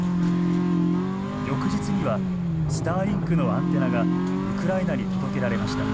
翌日にはスターリンクのアンテナがウクライナに届けられました。